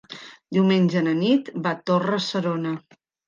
Diumenge na Nit va a Torre-serona.